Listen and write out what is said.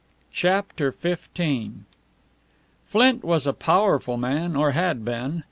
CHAPTER XV Flint was a powerful man, or had been.